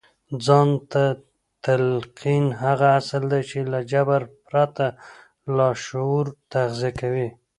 ځان ته تلقين هغه اصل دی چې له جبر پرته لاشعور تغذيه کوي.